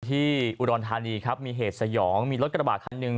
ที่อุดรธานีครับมีเหตุสยองมีรถกระบาดคันหนึ่ง